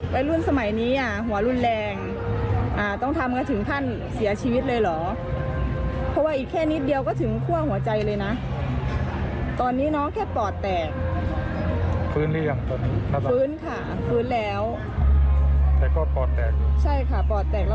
ฟื้นค่ะฟื้นแล้วแต่กอดปอดแตกใช่ค่ะปอดแตกแล้วเลือดออกทางปอดค่ะ